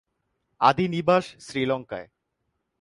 আদি নিবাস শ্রীলংকায়।